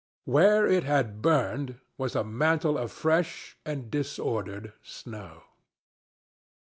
Where it had burned was a mantle of fresh and disordered snow.